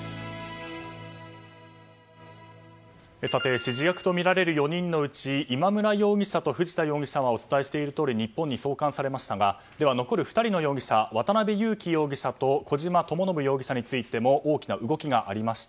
指示役とみられる４人のうち今村容疑者と藤田容疑者はお伝えしているとおり日本に送還されましたがでは残る２人の容疑者渡辺優樹容疑者と小島智信容疑者についても大きな動きがありました。